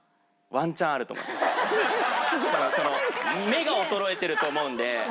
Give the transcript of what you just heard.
目が衰えてると思うんで。